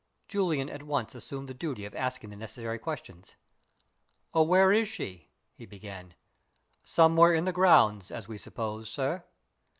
Julian at once assumed the duty of asking the necessary questions. "Where is she?" he began. "Somewhere in the grounds, as we suppose, sir."